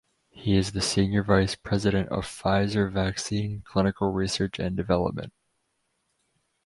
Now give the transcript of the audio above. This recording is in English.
He is the senior vice president of Pfizer vaccine clinical research and development.